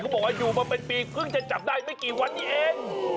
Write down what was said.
บอกว่าอยู่มาเป็นปีเพิ่งจะจับได้ไม่กี่วันนี้เอง